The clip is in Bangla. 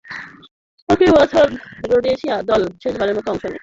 একই বছর রোডেশিয়া দল শেষবারের মতো অংশ নেয়।